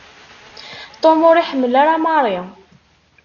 Tom ur iḥemmel ara Mary.